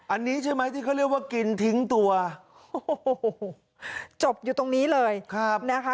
อันนี้ใช่ไหมที่เขาเรียกว่ากินทิ้งตัวโอ้โหจบอยู่ตรงนี้เลยนะคะ